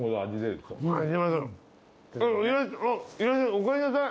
おかえりなさい。